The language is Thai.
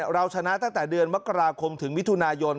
เราชนะตั้งแต่เดือนมกราคมถึงมิถุนายน